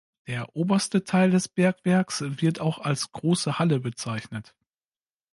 Der oberste Teil des Bergwerks wird auch als ""Große Halle"" bezeichnet.